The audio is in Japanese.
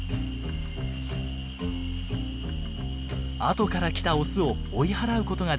後から来たオスを追い払うことができました。